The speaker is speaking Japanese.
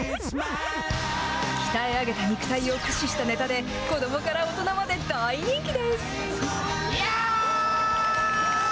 鍛え上げた肉体を駆使したネタで、子どもから大人まで大人気です。